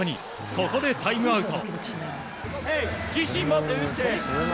ここでタイムアウト。